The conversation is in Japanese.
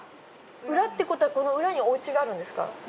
裏ってことはこの裏におうちがあるんですか？